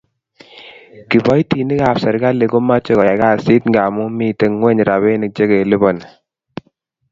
Kibaitinik ab serkali komamche koyai kasit ngamun miten ngwen rapinik che kelipani